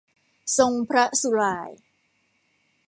ทรงพระสุหร่าย